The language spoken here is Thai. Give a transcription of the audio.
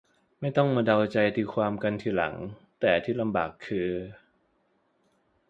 ไม่ต้องมาเดาใจตีความกันทีหลัง แต่ที่ลำบากคือ